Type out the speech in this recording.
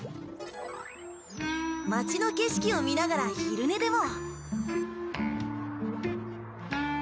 街の景色を見ながら昼寝でも。